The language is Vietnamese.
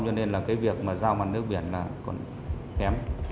cho nên là cái việc mà giao mặt nước biển là còn kém